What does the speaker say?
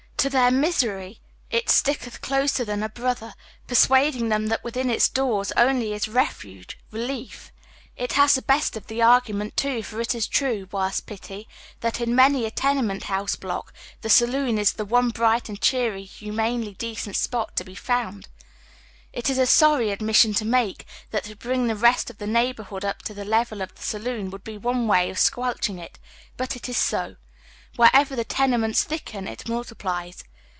To their misery it sticketh closer than a brother, persuading them that within its doors only is refuge, relief. It has the best of the argument, too, for it is trne, worse pity, that in many a tenement house block the saloon is the one bright and cheery and humanly decent spot to be found. oy Google THE KEIGN OF RUM. 211 It is a sorry admission to make, that to bring the rest of the neighborhood up to the level of the saloon would be one way of squelching it ; but it is bo. Wherever the tenements thicken, it multiplies.